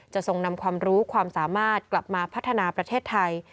ทรงนำความรู้ความสามารถกลับมาพัฒนาประเทศไทย